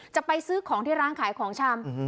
จะไปซื้อของที่ร้านขายของชำ